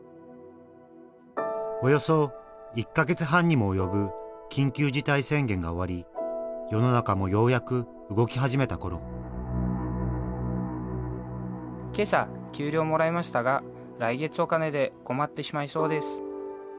およそ１か月半にも及ぶ緊急事態宣言が終わり世の中もようやく動き始めた頃「今朝給料もらいましたが来月お金で困ってしまいそうです」。